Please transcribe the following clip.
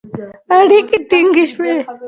اړیکې ټینګې شوې